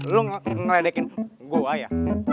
lu ngeredekin gua ya